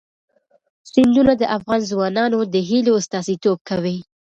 سیندونه د افغان ځوانانو د هیلو استازیتوب کوي.